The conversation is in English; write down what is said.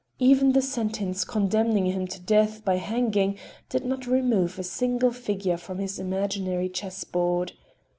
Even the sentence condemning him to death by hanging did not remove a single figure from his imaginary chessboard.